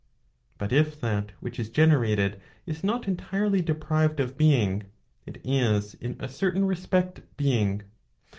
But if that which is generated is not entirely deprived of being, it is in a certain respect being.